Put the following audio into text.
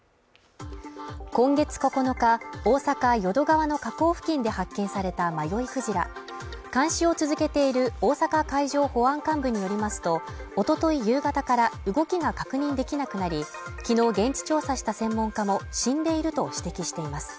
今月９日大阪淀川の河口付近で発見された迷いクジラ監視を続けている大阪海上保安監部によりますとおととい夕方から動きが確認できなくなり昨日現地調査した専門家も死んでいると指摘しています